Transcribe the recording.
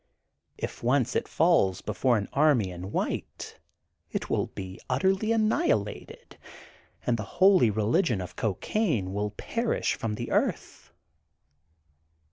If once it falls before an army in white, it will be utterly annihilated, and the Holy Eeligion of Cocaine will perish from the earth.